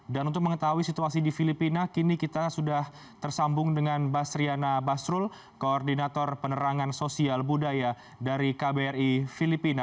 dan untuk mengetahui situasi di filipina kini kita sudah tersambung dengan basriana basrul koordinator penerangan sosial budaya dari kbri filipina